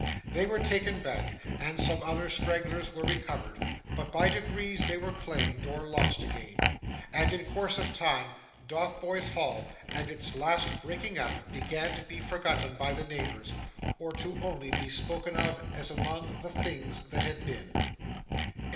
They were taken back, and some other stragglers were recovered, but by degrees they were claimed, or lost again; and, in course of time, Dotheboys Hall and its last breaking up began to be forgotten by the neighbours, or to be only spoken of as among the things that had been.